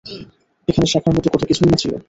এখানে শেখার মত কত কিছুই না ছিল।